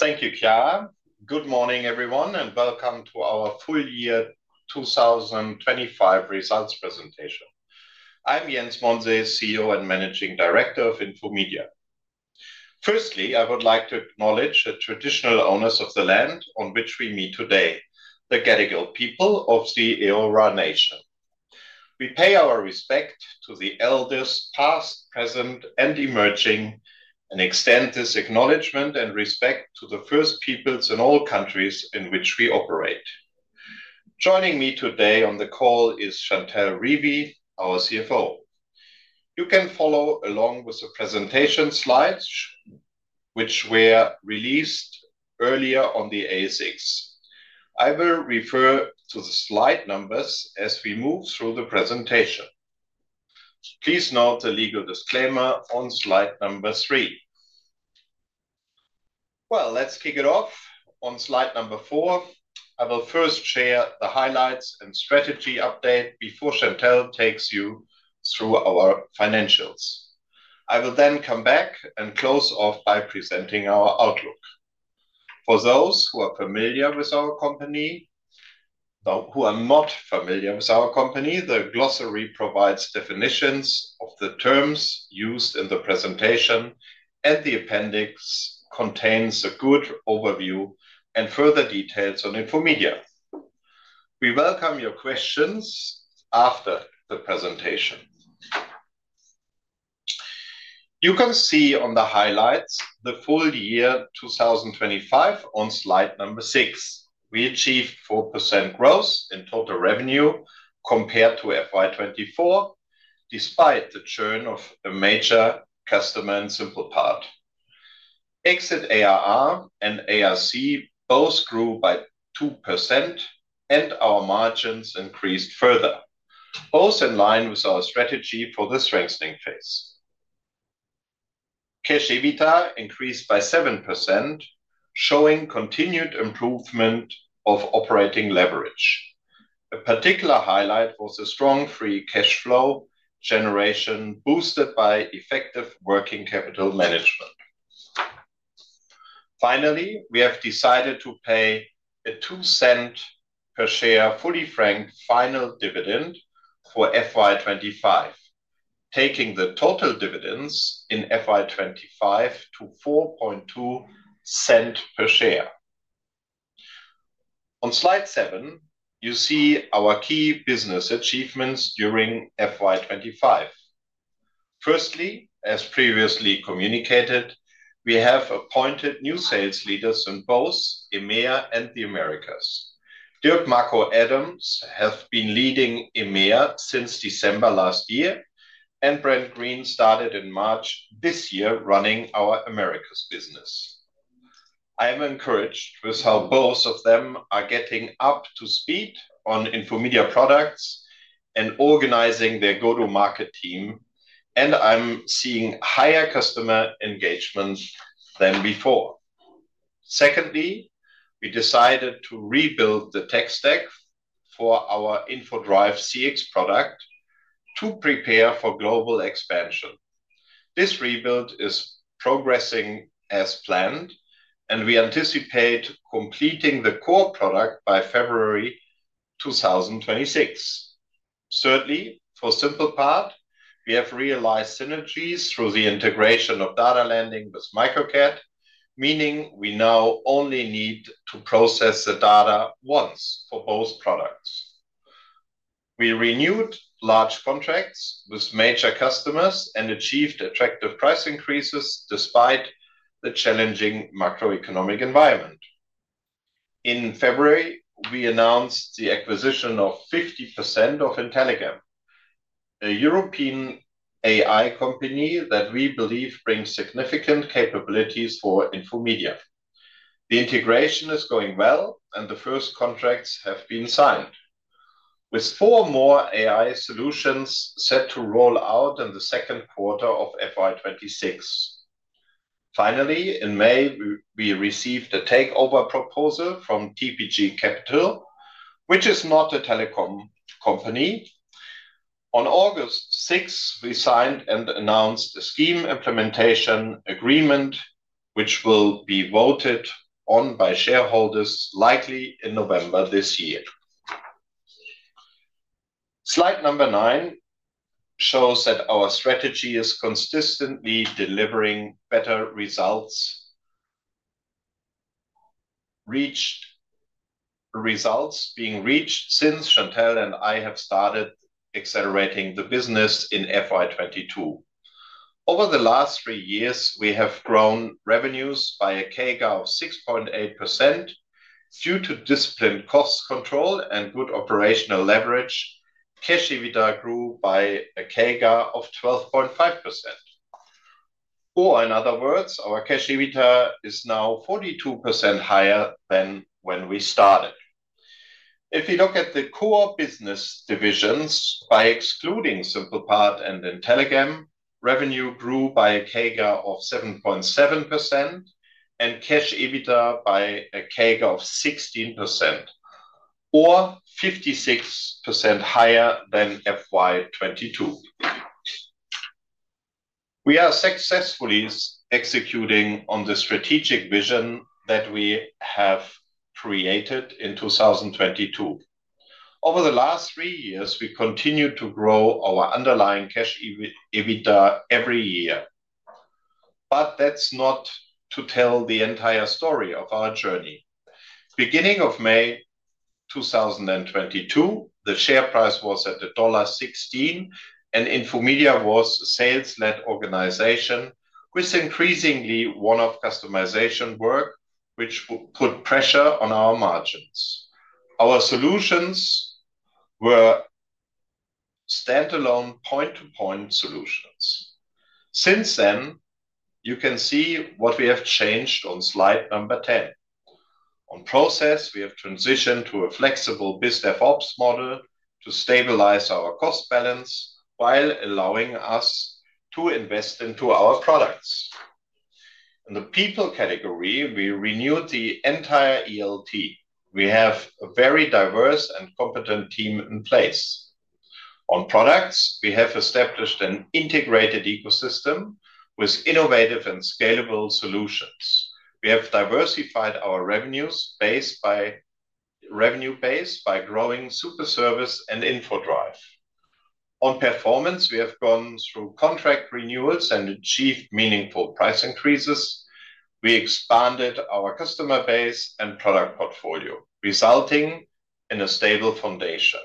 Thank you, Kiara. Good morning, everyone, and welcome to our full-year 2025 results presentation. I'm Jens Monsees, CEO and Managing Director of Infomedia. Firstly, I would like to acknowledge the traditional owners of the land on which we meet today, the Gadigal people of the Eora Nation. We pay our respect to the elders, past, present, and emerging, and extend this acknowledgement and respect to the first peoples in all countries in which we operate. Joining me today on the call is Chantell Revie, our CFO. You can follow along with the presentation slides, which were released earlier on the ASX. I will refer to the slide numbers as we move through the presentation. Please note the legal disclaimer on slide number three. On slide number four, I will first share the highlights and strategy update before Chantell takes you through our financials. I will then come back and close off by presenting our outlook. For those who are not familiar with our company, the glossary provides definitions. The terms used in the presentation and the appendix contain a good overview and further details on Infomedia. We welcome your questions after the presentation. You can see on the highlights for full year 2025 on slide number six. We achieved 4% growth in total revenue compared to FY 2024, despite the churn of the major customer and SimplePart. Exit ARR and ARC both grew by 2%, and our margins increased further, both in line with our strategy for the strengthening phase. Cash EBITDA increased by 7%, showing continued improvement of operating leverage. A particular highlight was the strong free cash flow generation, boosted by effective working capital management. Finally, we have decided to pay a $0.02 per share fully franked final dividend for FY 2025, taking the total dividends in FY 2025 to $0.042 per share. On slide seven, you see our key business achievements during FY 2025. Firstly, as previously communicated, we have appointed new sales leaders in both EMEA and the Americas. Dirk-Marco Adams has been leading EMEA since December last year, and Brent Green started in March this year running our Americas business. I am encouraged with how both of them are getting up to speed on Infomedia products and organizing their go-to-market team, and I'm seeing higher customer engagement than before. Secondly, we decided to rebuild the tech stack for our Infodrive CX product to prepare for global expansion. This rebuild is progressing as planned, and we anticipate completing the core product by February 2026. Thirdly, for the SimplePart, we have realized synergies through the integration of data landing with Microcat, meaning we now only need to process the data once for both products. We renewed large contracts with major customers and achieved attractive price increases despite the challenging macroeconomic environment. In February, we announced the acquisition of 50% of Intelligem, a European AI company that we believe brings significant capabilities for Infomedia. The integration is going well, and the first contracts have been signed, with four more AI solutions set to roll out in the second quarter of FY 2026. Finally, in May, we received a takeover proposal from TPG Capital, which is not a telecom company. On August 6, we signed and announced a scheme implementation agreement, which will be voted on by shareholders likely in November this year. Slide number nine shows that our strategy is consistently delivering better results, being reached since Chantell and I have started accelerating the business in FY 2022. Over the last three years, we have grown revenues by a CAGR of 6.8% due to disciplined cost control and good operating leverage. Cash EBITDA grew by a CAGR of 12.5%. In other words, our cash EBITDA is now 42% higher than when we started. If we look at the core business divisions, by excluding SimplePart and Intelligem, revenue grew by a CAGR of 7.7% and cash EBITDA by a CAGR of 16%, or 56% higher than FY 2022. We are successfully executing on the strategic vision that we have created in 2022. Over the last three years, we continue to grow our underlying cash EBITDA every year. That is not to tell the entire story of our journey. Beginning of May 2022, the share price was at $1.16, and Infomedia was a sales-led organization with increasingly one-off customization work, which put pressure on our margins. Our solutions were standalone point-to-point solutions. Since then, you can see what we have changed on slide number 10. On process, we have transitioned to a flexible biz dev ops model to stabilize our cost balance while allowing us to invest into our products. In the people category, we renewed the entire ELT. We have a very diverse and competent team in place. On products, we have established an integrated ecosystem with innovative and scalable solutions. We have diversified our revenue base by growing Superservice and Infodrive. On performance, we have gone through contract renewals and achieved meaningful price increases. We expanded our customer base and product portfolio, resulting in a stable foundation.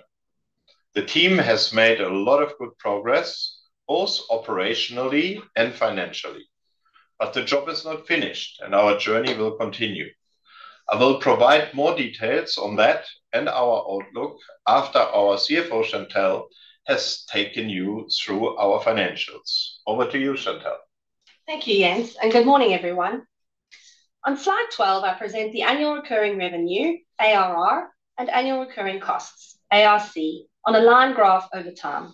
The team has made a lot of good progress, both operationally and financially. The job is not finished, and our journey will continue. I will provide more details on that and our outlook after our CFO, Chantell, has taken you through our financials. Over to you, Chantell. Thank you, Jens, and good morning, everyone. On slide 12, I present the annual recurring revenue, ARR, and annual recurring costs, ARC, on a line graph over time.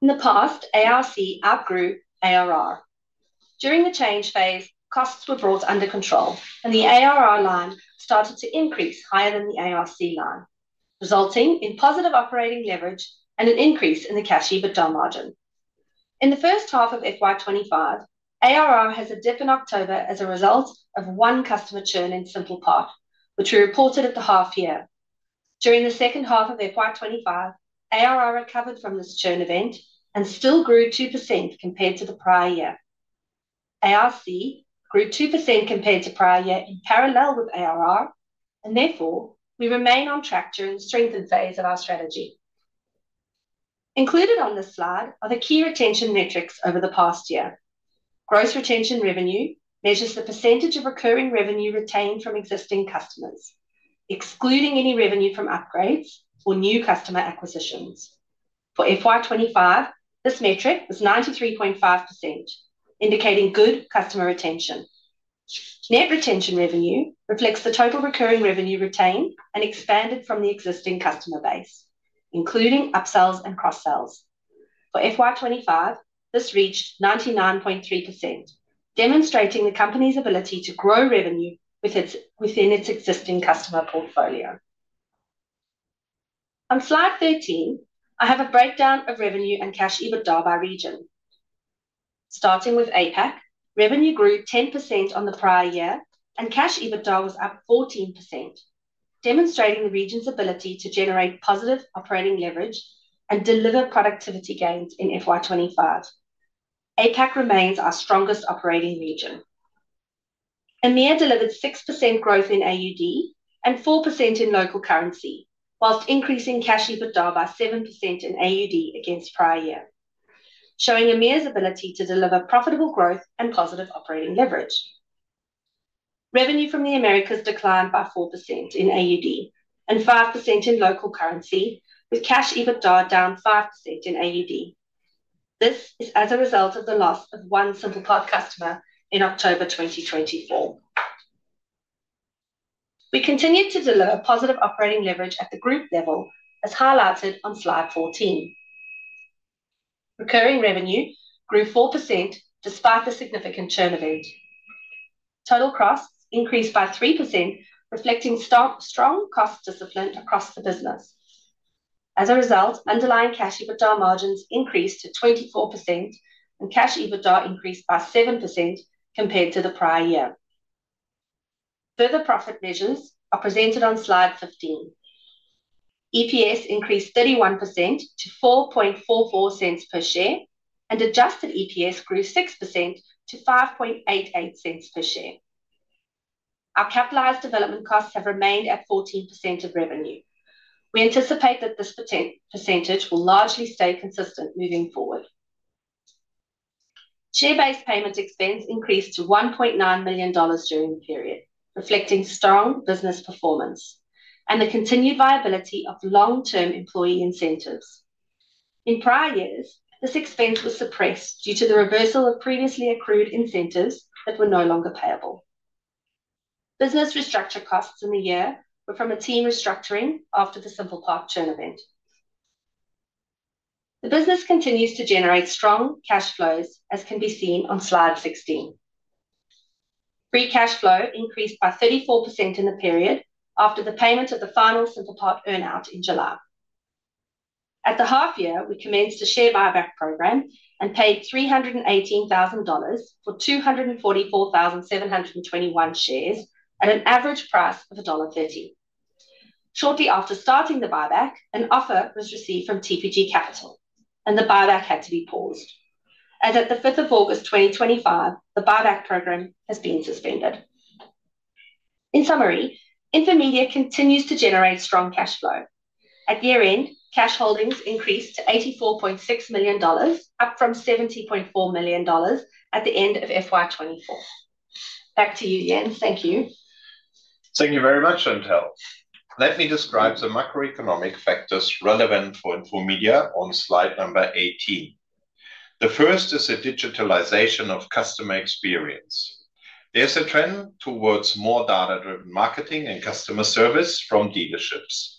In the past, ARC outgrew ARR. During the change phase, costs were brought under control, and the ARR line started to increase higher than the ARC line, resulting in positive operating leverage and an increase in the cash EBITDA margin. In the first half of FY 2025, ARR had a dip in October as a result of one customer churn in SimplePart, which we reported at the half year. During the second half of FY 2025, ARR recovered from this churn event and still grew 2% compared to the prior year. ARC grew 2% compared to the prior year in parallel with ARR, and therefore, we remain on track during the strengthened phase of our strategy. Included on this slide are the key retention metrics over the past year. Gross retention revenue measures the percentage of recurring revenue retained from existing customers, excluding any revenue from upgrades or new customer acquisitions. For FY 2025, this metric is 93.5%, indicating good customer retention. Net retention revenue reflects the total recurring revenue retained and expanded from the existing customer base, including upsells and cross-sells. For FY 2025, this reached 99.3%, demonstrating the company's ability to grow revenue within its existing customer portfolio. On slide 13, I have a breakdown of revenue and cash EBITDA by region. Starting with APAC, revenue grew 10% on the prior year, and cash EBITDA was up 14%, demonstrating the region's ability to generate positive operating leverage and deliver productivity gains in FY 2025. APAC remains our strongest operating region. EMEA delivered 6% growth in AUD and 4% in local currency, whilst increasing cash EBITDA by 7% in AUD against prior year, showing EMEA's ability to deliver profitable growth and positive operating leverage. Revenue from the Americas declined by 4% in AUD and 5% in local currency, with cash EBITDA down 5% in AUD. This is as a result of the loss of one SimplePart customer in October 2024. We continued to deliver positive operating leverage at the group level, as highlighted on slide 14. Recurring revenue grew 4% despite the significant churn event. Total costs increased by 3%, reflecting strong cost discipline across the business. As a result, underlying cash EBITDA margins increased to 24%, and cash EBITDA increased by 7% compared to the prior year. Further profit measures are presented on slide 15. EPS increased 31% to $0.0444 per share, and adjusted EPS grew 6% to $0.0588 per share. Our capitalized development costs have remained at 14% of revenue. We anticipate that this percentage will largely stay consistent moving forward. Share-based payment expense increased to $1.9 million during the period, reflecting strong business performance and the continued viability of long-term employee incentives. In prior years, this expense was suppressed due to the reversal of previously accrued incentives that were no longer payable. Business restructure costs in the year were from a team restructuring after the SimplePart churn event. The business continues to generate strong cash flows, as can be seen on slide 16. Free cash flow increased by 34% in the period after the payment of the final SimplePart earnout in July. At the half year, we commenced a share buyback program and paid $318,000 for 244,721 shares at an average price of $1.30. Shortly after starting the buyback, an offer was received from TPG Capital, and the buyback had to be paused. As of August 5, 2025, the buyback program has been suspended. In summary, Infomedia continues to generate strong cash flow. At year end, cash holdings increased to $84.6 million, up from $70.4 million at the end of FY 2024. Back to you, Jens. Thank you. Thank you very much, Chantell. Let me describe the macroeconomic factors relevant for Infomedia on slide number 18. The first is the digitalization of customer experience. There's a trend towards more data-driven marketing and customer service from dealerships.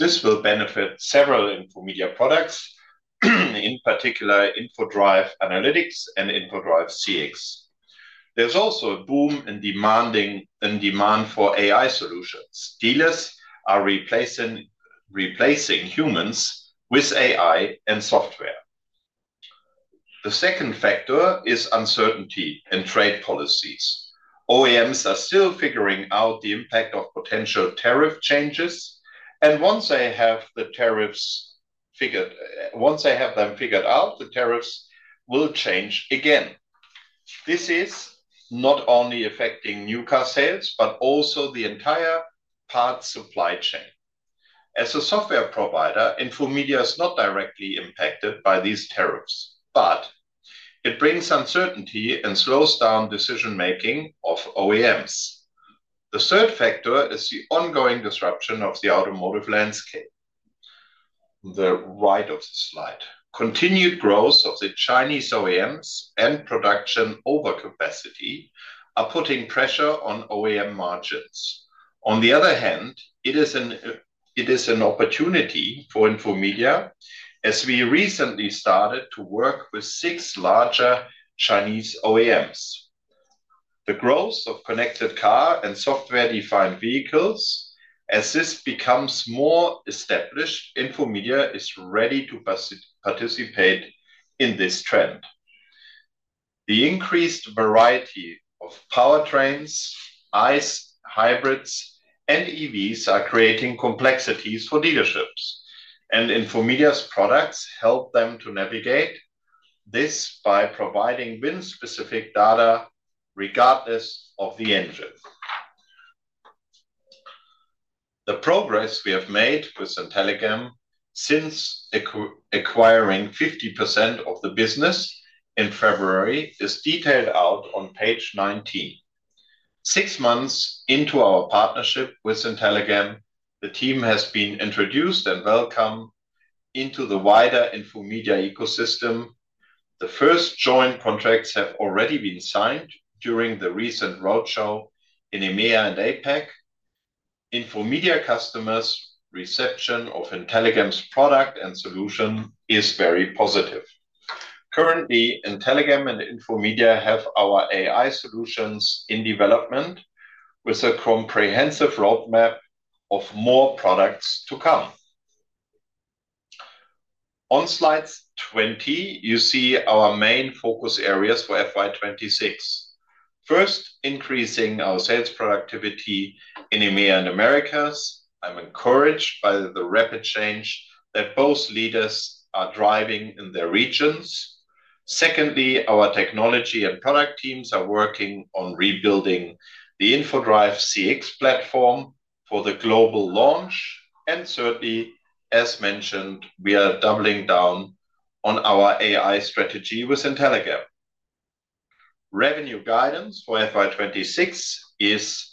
This will benefit several Infomedia products, in particular Infodrive Analytics and Infodrive CX. There's also a boom in demand for AI solutions. Dealers are replacing humans with AI and software. The second factor is uncertainty in trade policies. OEMs are still figuring out the impact of potential tariff changes, and once they have the tariffs figured out, the tariffs will change again. This is not only affecting new car sales, but also the entire parts supply chain. As a software provider, Infomedia is not directly impacted by these tariffs, but it brings uncertainty and slows down decision-making of OEMs. The third factor is the ongoing disruption of the automotive landscape. On the right of the slide, continued growth of the Chinese OEMs and production overcapacity are putting pressure on OEM margins. On the other hand, it is an opportunity for Infomedia as we recently started to work with six larger Chinese OEMs. The growth of connected car and software-defined vehicles, as this becomes more established, Infomedia is ready to participate in this trend. The increased variety of powertrains, ICE hybrids, and EVs are creating complexities for dealerships, and Infomedia's products help them to navigate this by providing VIN-specific data regardless of the engine. The progress we have made with Intelligem since acquiring 50% of the business in February is detailed out on page 19. Six months into our partnership with Intelligem, the team has been introduced and welcomed into the wider Infomedia ecosystem. The first joint contracts have already been signed during the recent roadshow in EMEA and APAC. Infomedia customers' reception of Intelligem's product and solution is very positive. Currently, Intelligem and Infomedia have our AI solutions in development with a comprehensive roadmap of more products to come. On slide 20, you see our main focus areas for FY 2026. First, increasing our sales productivity in EMEA and Americas. I'm encouraged by the rapid change that both leaders are driving in their regions. Secondly, our technology and product teams are working on rebuilding the Infodrive CX platform for the global launch. Thirdly, as mentioned, we are doubling down on our AI strategy with Intelligem. Revenue guidance for FY 2026 is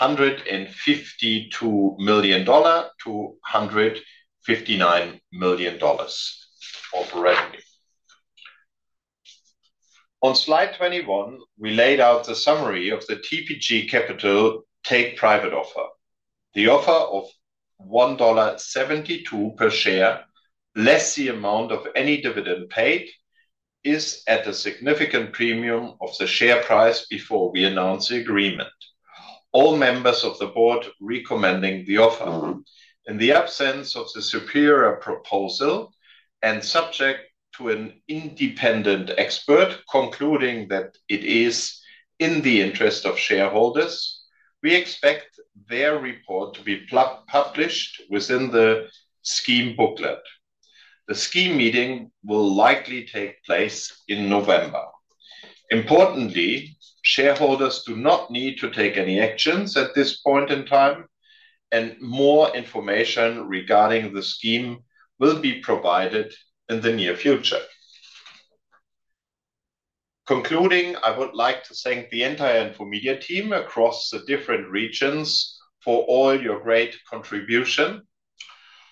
$152 million-$159 million of revenue. On slide 21, we laid out the summary of the TPG Capital take-private offer. The offer of $1.72 per share, less the amount of any dividend paid, is at a significant premium of the share price before we announce the agreement. All members of the board are recommending the offer in the absence of a superior proposal and subject to an independent expert concluding that it is in the interest of shareholders. We expect their report to be published within the scheme booklet. The scheme meeting will likely take place in November 2025. Importantly, shareholders do not need to take any actions at this point in time, and more information regarding the scheme will be provided in the near future. Concluding, I would like to thank the entire Infomedia team across the different regions for all your great contribution.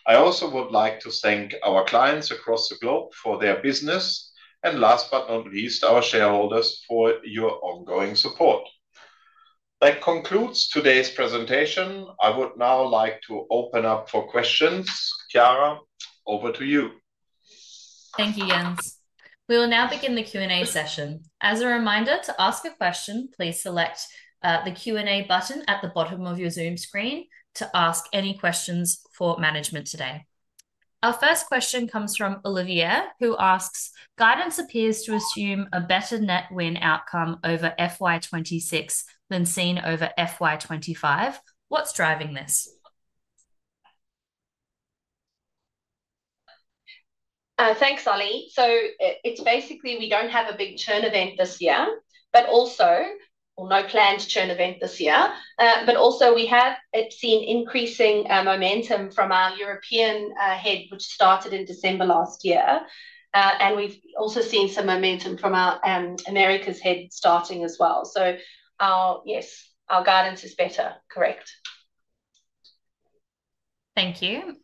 I also would like to thank our clients across the globe for their business. Last but not least, our shareholders for your ongoing support. That concludes today's presentation. I would now like to open up for questions. Kiara, over to you. Thank you, Jens. We will now begin the Q&A session. As a reminder, to ask a question, please select the Q&A button at the bottom of your Zoom screen to ask any questions for management today. Our first question comes from Olivier, who asks, "Guidance appears to assume a better net win outcome over FY 2026 than seen over FY 2025. What's driving this?" Thanks, Oliie. It's basically we don't have a big churn event this year, no planned churn event this year. We have seen increasing momentum from our European head, which started in December last year. We've also seen some momentum from our Americas head starting as well. Our guidance is better, correct. Thank you.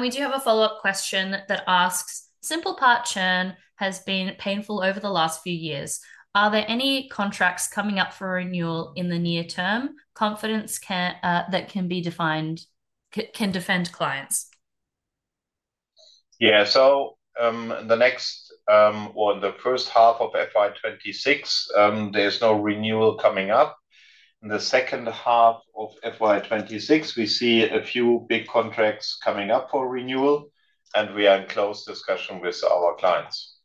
We do have a follow-up question that asks, "SimplePart churn has been painful over the last few years. Are there any contracts coming up for renewal in the near term that can defend clients? In the first half of FY 2026, there's no renewal coming up. In the second half of FY 2026, we see a few big contracts coming up for renewal, and we are in close discussion with our clients.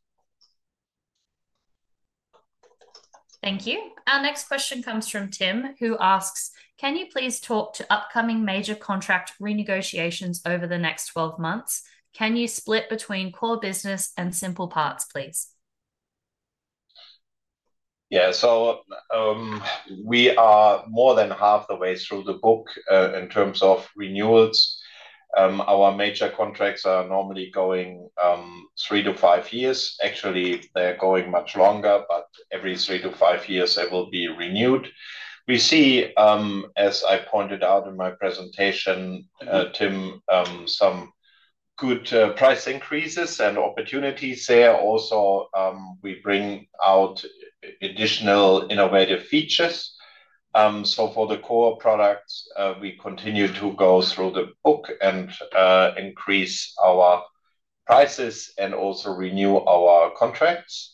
Thank you. Our next question comes from Tim, who asks, "Can you please talk to upcoming major contract renegotiations over the next 12 months? Can you split between core business and SimplePart, please? Yeah, so we are more than half the way through the book in terms of renewals. Our major contracts are normally going three to five years. Actually, they're going much longer, but every three to five years, they will be renewed. We see, as I pointed out in my presentation, Tim, some good price increases and opportunities there. Also, we bring out additional innovative features. For the core products, we continue to go through the book and increase our prices and also renew our contracts.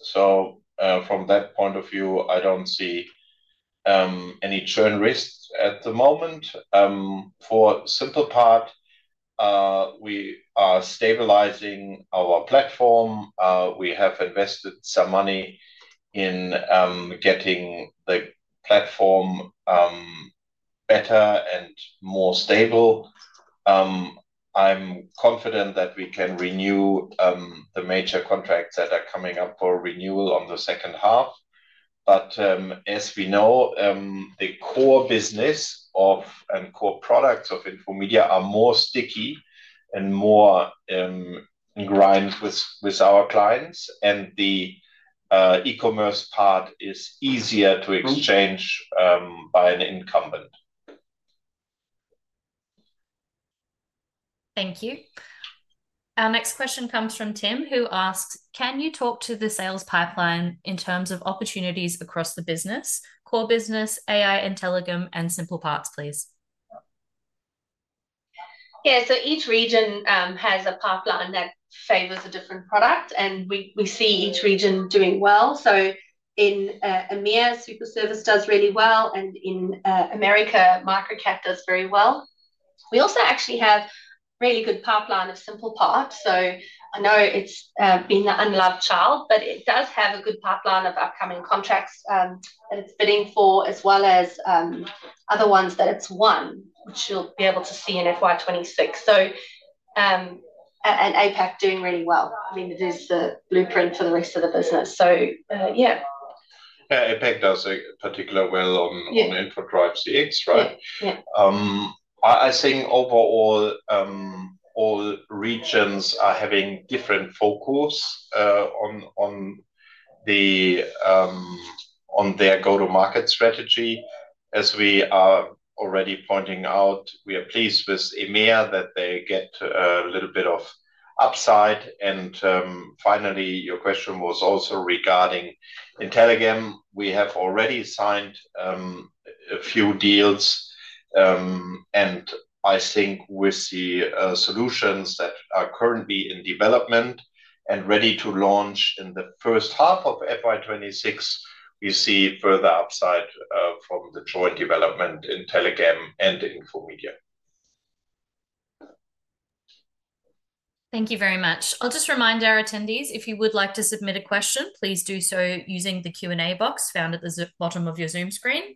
From that point of view, I don't see any churn risks at the moment. For SimplePart, we are stabilizing our platform. We have invested some money in getting the platform better and more stable. I'm confident that we can renew the major contracts that are coming up for renewal on the second half. As we know, the core business and core products of Infomedia are more sticky and more ingrained with our clients, and the e-commerce part is easier to exchange by an incumbent. Thank you. Our next question comes from Tim, who asks, "Can you talk to the sales pipeline in terms of opportunities across the business, core business, AI, Intelligem, and SimplePart, please?" Yeah, each region has a pipeline that favors a different product, and we see each region doing well. In EMEA, Superservice does really well, and in Americas, Microcat does very well. We also actually have a really good pipeline of SimplePart. It's been an unloved child, but it does have a good pipeline of upcoming contracts, and it's bidding for, as well as other ones that it's won, which you'll be able to see in FY 2026. APAC is doing really well. It is the blueprint for the rest of the business. Yeah. APAC does particularly well on Infodrive CX, right? I think overall, all regions are having different focus on their go-to-market strategy. As we already pointed out, we are pleased with EMEA that they get a little bit of upside. Finally, your question was also regarding Intelligem. We have already signed a few deals, and I think with the solutions that are currently in development and ready to launch in the first half of FY 2026, we see further upside from the joint development Intelligem and Infomedia. Thank you very much. I'll just remind our attendees, if you would like to submit a question, please do so using the Q&A box found at the bottom of your Zoom screen.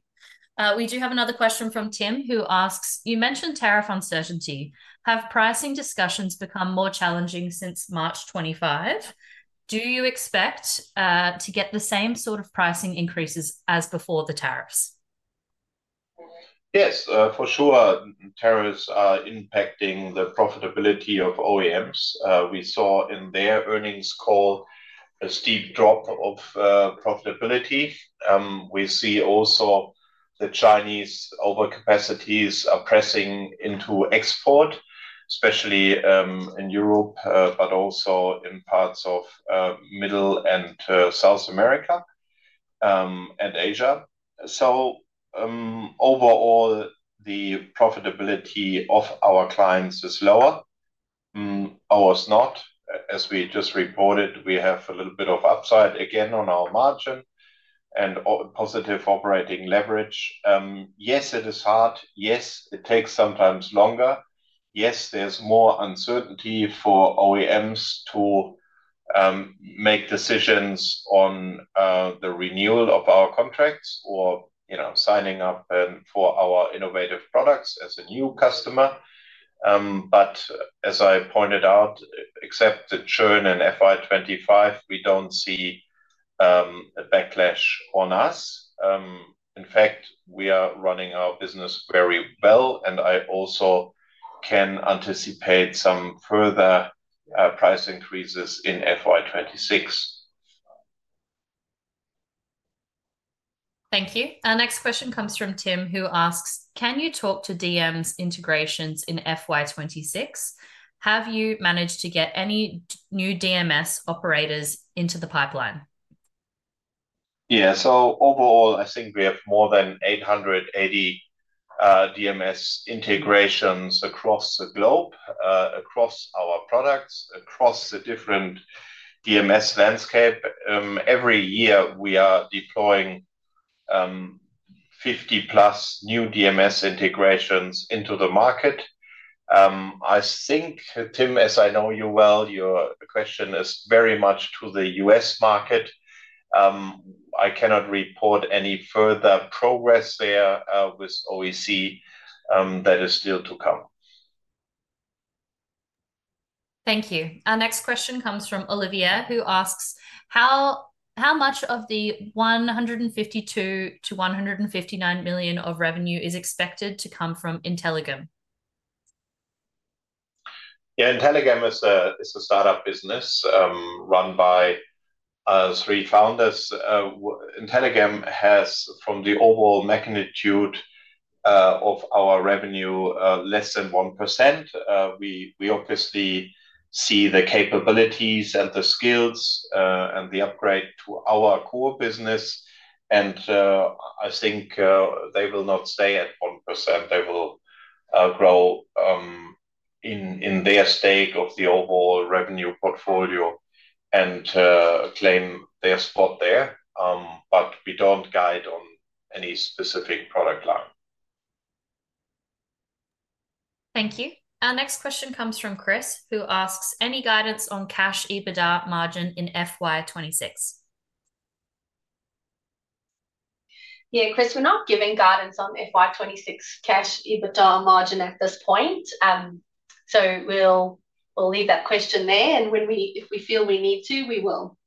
We do have another question from Tim, who asks, "You mentioned tariff uncertainty. Have pricing discussions become more challenging since March 25? Do you expect to get the same sort of pricing increases as before the tariffs? Yes, for sure. Tariffs are impacting the profitability of OEMs. We saw in their earnings call a steep drop of profitability. We see also the Chinese overcapacities pressing into export, especially in Europe, but also in parts of Middle and South America and Asia. Overall, the profitability of our clients is lower. Ours not. As we just reported, we have a little bit of upside again on our margin and positive operating leverage. Yes, it is hard. Yes, it takes sometimes longer. Yes, there's more uncertainty for OEMs to make decisions on the renewal of our contracts or signing up for our innovative products as a new customer. As I pointed out, except the churn in FY 2025, we don't see a backlash on us. In fact, we are running our business very well, and I also can anticipate some further price increases in FY 2026. Thank you. Our next question comes from Tim, who asks, "Can you talk to DMS integrations in FY 2026? Have you managed to get any new DMS operators into the pipeline? Yeah, so overall, I think we have more than 880 DMS integrations across the globe, across our products, across the different DMS landscape. Every year, we are deploying 50+ new DMS integrations into the market. I think, Tim, as I know you well, your question is very much to the U.S. market. I cannot report any further progress there with OEC that is still to come. Thank you. Our next question comes from Olivier, who asks, "How much of the $152 million-$159 million of revenue is expected to come from Intelligem? Yeah, Intelligem is a startup business run by three founders. Intelligem has, from the overall magnitude of our revenue, less than 1%. We obviously see the capabilities and the skills and the upgrade to our core business, and I think they will not stay at 1%. They will grow in their stake of the overall revenue portfolio and claim their spot there, but we don't guide on any specific product line. Thank you. Our next question comes from Chris, who asks, "Any guidance on cash EBITDA margin in FY 2026?" Yeah, Chris, we're not giving guidance on FY 2026 cash EBITDA margin at this point. We'll leave that question there, and if we feel we need to, we will.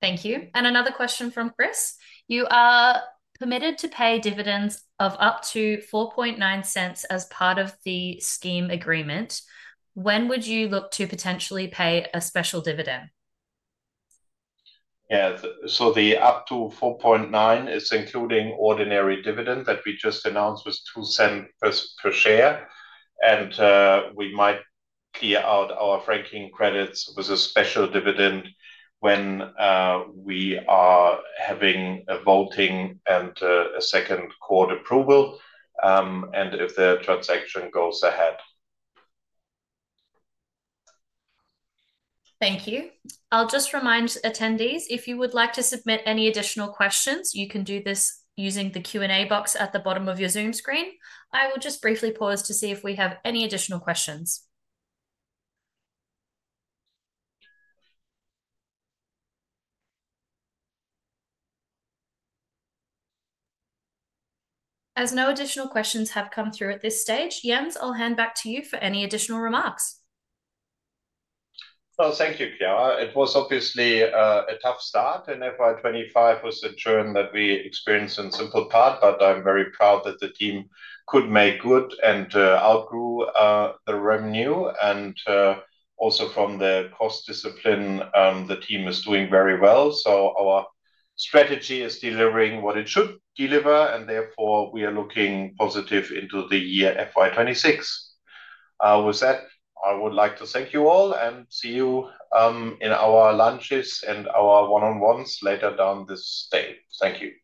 Thank you. Another question from Chris. "You are permitted to pay dividends of up to $0.049 as part of the scheme agreement. When would you look to potentially pay a special dividend? Yeah, so the up to $4.9 is including ordinary dividend that we just announced with $0.02 per share, and we might tier out our franking credits with a special dividend when we are having a voting and a second court approval, and if the transaction goes ahead. Thank you. I'll just remind attendees, if you would like to submit any additional questions, you can do this using the Q&A box at the bottom of your Zoom screen. I will just briefly pause to see if we have any additional questions. As no additional questions have come through at this stage, Jens, I'll hand back to you for any additional remarks. Oh, thank you, Kiara. It was obviously a tough start, and FY 2025 was the churn that we experienced in SimplePart, but I'm very proud that the team could make good and outgrew the revenue. Also, from the cost discipline, the team is doing very well. Our strategy is delivering what it should deliver, and therefore, we are looking positive into the year FY 2026. With that, I would like to thank you all and see you in our lunches and our one-on-ones later down this day. Thank you.